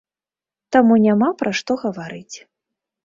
Таму няма пра што гаварыць.